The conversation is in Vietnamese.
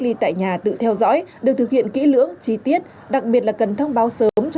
ly tại nhà tự theo dõi được thực hiện kỹ lưỡng chi tiết đặc biệt là cần thông báo sớm cho